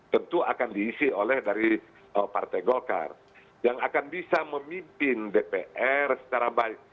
tentu akan diisi oleh dari partai golkar yang akan bisa memimpin dpr secara baik